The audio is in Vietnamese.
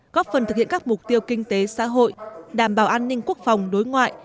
góp phần thực hiện các mục tiêu kinh tế xã hội đảm bảo an ninh quốc phòng đối ngoại